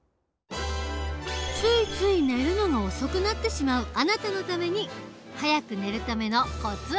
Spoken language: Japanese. ついつい寝るのが遅くなってしまうあなたのために早く寝るためのコツを伝授。